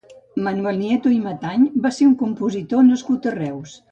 Manuel Nieto i Matañ va ser un compositor nascut a Reus.